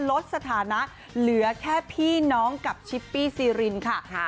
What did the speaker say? ลดสถานะเหลือแค่พี่น้องกับชิปปี้ซีรินค่ะ